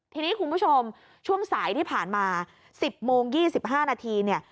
ทีนี้คุณผู้ชมช่วงสายที่ผ่านมา๑๐โมง๒๕นาทีเนี่ย